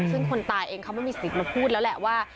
ซึ่งคนตายเองเขาไม่มีสิทธิ์มาพูดแล้วแหละว่า